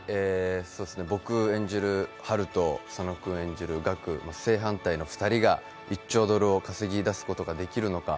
僕演じるハルと佐野君演じるガク、正反対の２人が１兆ドルを稼ぎ出すことができるのか。